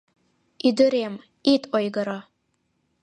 — Ӱдырем, ит ойгыро.